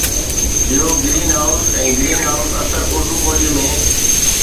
اهو greenhouse ۽ greenhouse اثر اردو ٻوليءَ ۾